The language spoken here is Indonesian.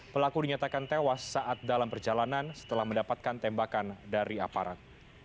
pelaku dinyatakan tewas saat dalam perjalanan setelah mendapatkan tembakan dari aparat